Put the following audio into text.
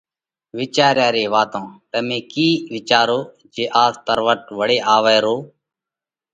وِيچاريا ري واتون تمي ڪِي وِيچاروه جي آز تروٽ وۯي آوئہ رو